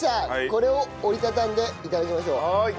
これを折り畳んで頂きましょう。